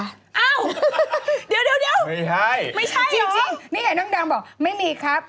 เอ้าเดี๋ยวไม่ใช่จริงนี่ไงน้องดังบอกไม่มีครับ